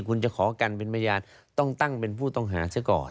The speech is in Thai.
การเป็นพยานต้องตั้งเป็นผู้ต้องหาซะก่อน